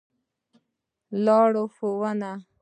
لار ښوونه